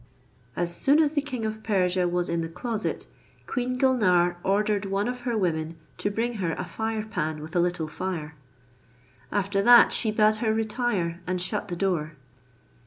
As soon as the king of Persia was in the closet, Queen Gulnare ordered one of her women to bring her a fire pan with a little fire. After that she bade her retire, and shut the door.